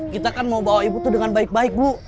kita kan mau bawa ibu tuh dengan baik baik bu